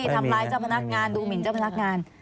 ทำร้ายเจ้าพนักงานดูหมินเจ้าพนักงาน